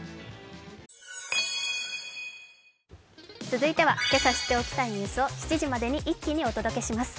続いては今朝知っておきたいニュースを７時までに一気にお伝えします。